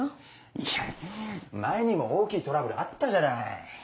いや前にも大きいトラブルあったじゃない。